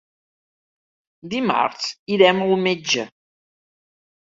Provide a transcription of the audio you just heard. Dimarts irem al metge.